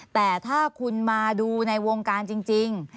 แต่ถ้าคุณมาดูในวงการจริง